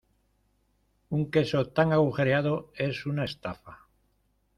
¡Un queso tan agujereado es una estafa!